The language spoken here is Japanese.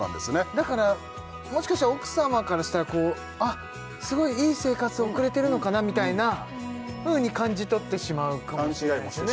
だからもしかしたら奥様からしたらあっすごいいい生活を送れてるのかなみたいなふうに感じ取ってしまうかもしれないですよね